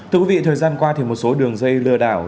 thưa quý vị thời gian qua thì một số đường dây lừa đảo